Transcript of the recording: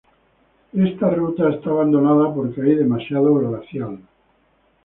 Esta ruta está abandonada porque hay demasiado glacial.